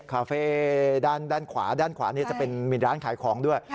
คาเฟ่ด้านขวาจะเป็นร้านขายของด้วย